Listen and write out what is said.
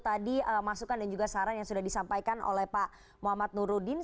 tadi masukan dan juga saran yang sudah disampaikan oleh pak muhammad nurudin